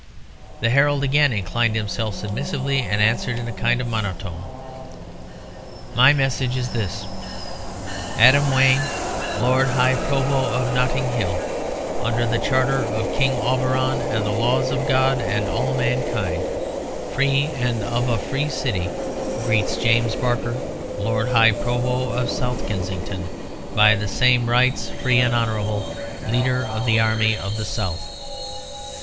The herald again inclined himself submissively, and answered in a kind of monotone. "My message is this. Adam Wayne, Lord High Provost of Notting Hill, under the charter of King Auberon and the laws of God and all mankind, free and of a free city, greets James Barker, Lord High Provost of South Kensington, by the same rights free and honourable, leader of the army of the South.